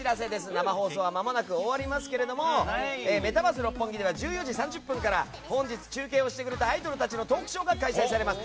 生放送はまもなく終わりますけれどもメタバース六本木では１４時３０分から、本日中継してくれたアイドルたちのトークショーが開催されます。